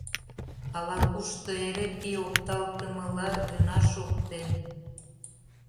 ала-кушто эре пий опталтымыла гына шоктен...